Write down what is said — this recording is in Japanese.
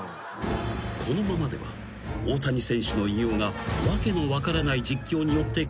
［このままでは大谷選手の偉業が訳の分からない実況によってかすんでしまう。